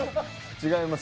違います。